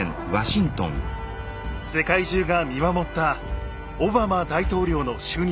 世界中が見守ったオバマ大統領の就任式。